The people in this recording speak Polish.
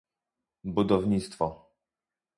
budownictwo